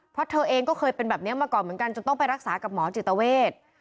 เพราะเธอเองก็เคยเป็นแบบนี้มาก่อนเหมือนกันจนต้องไปรักษากับหมอจิตเวท